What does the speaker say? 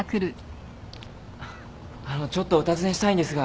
あのちょっとお尋ねしたいんですが。